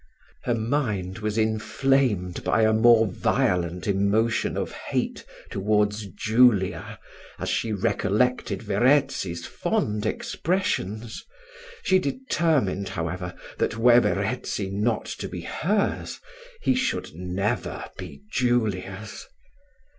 Her mind was inflamed by a more violent emotion of hate towards Julia, as she recollected Verezzi's fond expressions: she determined, however, that were Verezzi not to be hers, he should never be Julia's.